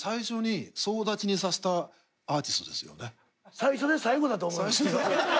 最初で最後だと思いますけど。